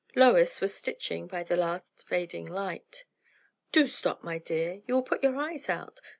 Lois was stitching by the last fading light. "Do stop, my dear! you will put your eyes out.